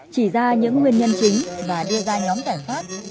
chỉ ra những nguyên nhân chính và đưa ra nhóm giải pháp